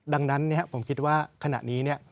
ดังนั้นผมคิดว่าขณะนี้